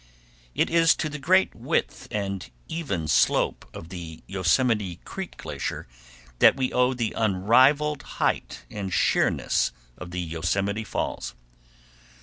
It is to the great width and even slope of the Yosemite Creek Glacier that we owe the unrivaled height and sheerness of the Yosemite Falls.